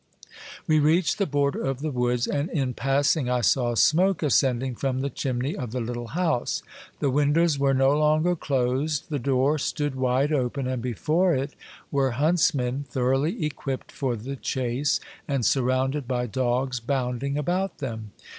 We reached the border of the woods, and in passing I saw smoke ascending from the chimney of the Httle house ; the windows were no longer closed, the door stood wide open, and before it were huntsmen, thoroughly equipped for the chase, and surrounded by dogs bounding about them.